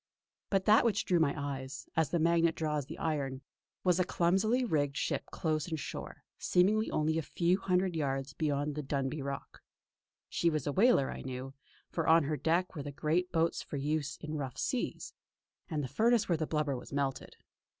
But that which drew my eyes, as the magnet draws the iron, was a clumsily rigged ship close in shore, seemingly only a few hundred yards beyond the Dunbuy Rock. She was a whaler I knew, for on her deck were the great boats for use in rough seas, and the furnace where the blubber was melted.